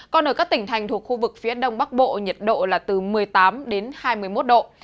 còn ở các tỉnh thành thuộc khu vực phía đông bắc bộ nhiệt độ là từ một mươi tám đến hai mươi một độ